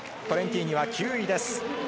トレンティーニは９位です。